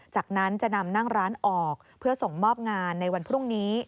จากนั้นจะนำนั่งร้านออกเพื่อส่งมอบงานในวันพรุ่งนี้